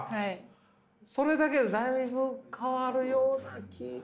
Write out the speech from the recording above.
それだけでだいぶ変わるような気が。